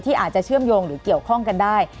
อาจจะเชื่อมโยงหรือเกี่ยวข้องกันได้